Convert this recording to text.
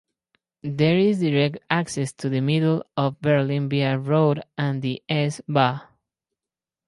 There is direct access to the middle of Berlin via road and S-Bahn.